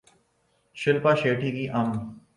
شلپا شیٹھی کی ام